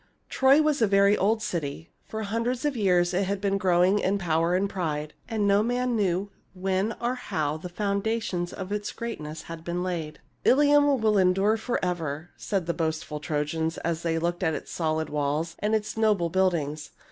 Troy was a very old city. For hundreds of years it had been growing in power and pride, and no man knew when or how the foundations of its greatness had been laid. " Ilium will endure forever," said the boastful Trojans as they looked at its solid walls and its noble buildings.